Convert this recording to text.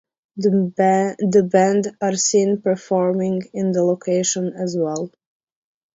The band are seen performing in the location as well.